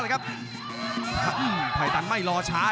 รับทราบบรรดาศักดิ์